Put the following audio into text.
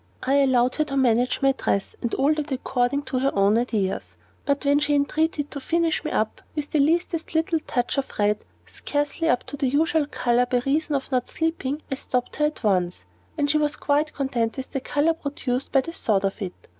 I allowed her to manage my dress and all that according to her own ideas; but when she entreated to finish me up with the "leastest little touch of red, scarcely up to the usual color, by reason of not sleeping," I stopped her at once, and she was quite content with the color produced by the thought of it.